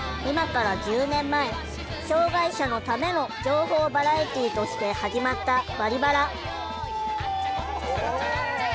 今から１０年前「障害者のための情報バラエティー」として始まった「バリバラ」。